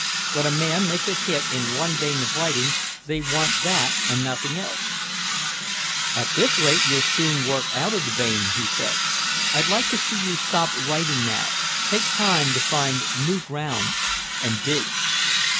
"When a man makes a hit in one vein of writing they want that and nothing else." "At this rate you'll soon work out the vein," he said. "I'd like to see you stop writing now, take time to find new ground and dig."